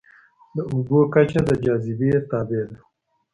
د اوبو کچه د جاذبې تابع ده.